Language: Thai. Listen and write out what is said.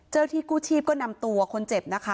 ที่กู้ชีพก็นำตัวคนเจ็บนะคะ